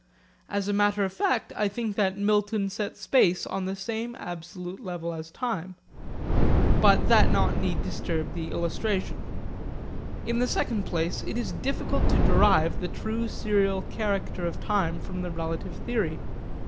As a matter of fact I think that Milton set space on the same absolute level as time. But that need not disturb the illustration. In the second place it is difficult to derive the true serial character of time from the relative theory.